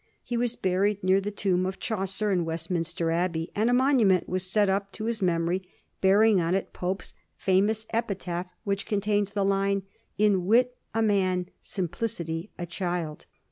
He was buried near the tomb of Chaucer in Westminster Abbey, and a monument was set up to his memory, bearing on it Pope's famous epitaph which contains the line, " In wit a man, simplicity a child."